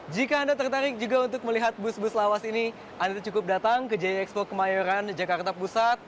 jika anda tertarik juga untuk melihat bus bus lawas ini anda cukup datang ke jxpo kemayoran jakarta pusat